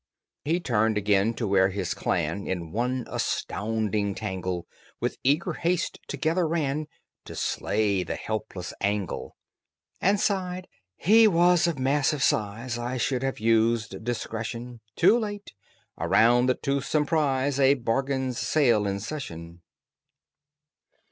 He turned again to where his clan In one astounding tangle With eager haste together ran To slay the helpless angle, And sighed, "He was of massive size. I should have used discretion. Too late! Around the toothsome prize A bargain sale's in session."